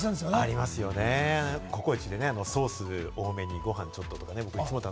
ありますよね、ココイチでソースを多めに、ご飯ちょっととか。